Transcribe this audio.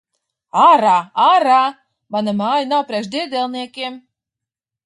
Ārā! Ārā! Mana māja nav priekš diedelniekiem!